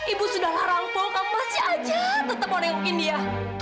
ibu sudah larang kamu masih aja tetap merengukin dia